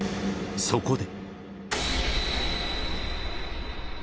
そこで］